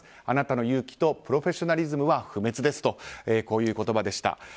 あなたの勇気とプロフェッショナリズムは不滅ですという言葉でした。